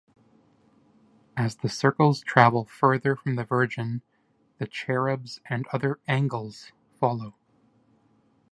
As the circles travel further from the Virgin the Cherubs and other angles follow.